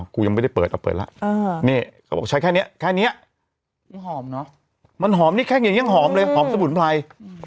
กูยังไม่ได้เปิดเอาเปิดละใช้แค่นี้มันหอมเนี่ยแค่นี้ยังหอมเลยหอมสมุนไพร